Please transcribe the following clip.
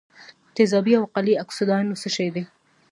تیزابي او القلي اکسایدونه څه شی دي؟